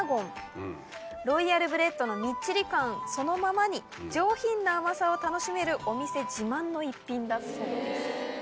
ロイヤルブレッドのみっちり感そのままに上品な甘さを楽しめるお店自慢の一品だそうです。